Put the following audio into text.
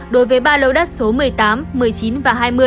đối với ba lô đất số một mươi tám một mươi chín và hai mươi